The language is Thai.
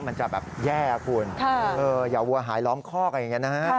มันจะแบบแย่คุณอย่าวัวหายล้อมคอกอะไรอย่างนี้นะฮะ